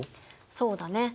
そうだね。